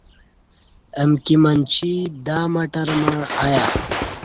امکی منچی دا مٹر مع ایہ